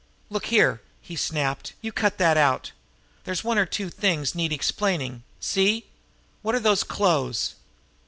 "Look here," he snapped, "you cut that out! There's one or two things need explaining see? What are those clothes?"